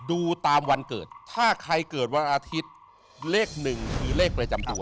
ดูตามวันเกิดถ้าใครเกิดวันอาทิตย์เลขหนึ่งคือเลขประจำตัว